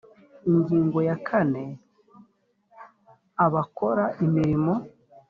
ingingo ya kane abakora imirimo